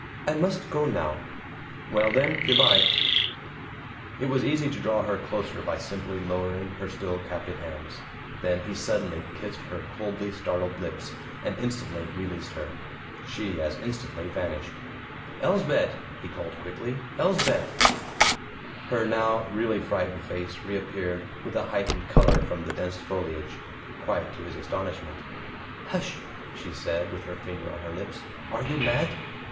"I must go now." "Well then, good by." It was easy to draw her closer by simply lowering her still captive hands. Then he suddenly kissed her coldly startled lips, and instantly released her. She as instantly vanished. "Elsbeth," he called quickly. "Elsbeth!" Her now really frightened face reappeared with a heightened color from the dense foliage quite to his astonishment. "Hush," she said, with her finger on her lips. "Are you mad?"